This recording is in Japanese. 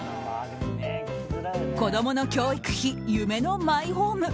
子供の教育費、夢のマイホーム。